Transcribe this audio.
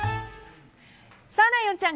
ライオンちゃん